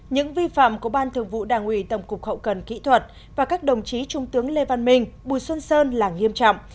những vi phạm của ban thường vụ đảng ủy tổng cục hậu cần kỹ thuật và các đồng chí trung tướng lê văn minh bùi xuân sơn là nghiêm trọng